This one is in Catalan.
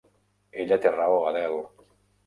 Ella té raó, Adele.